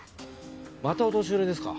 またお年寄りですか？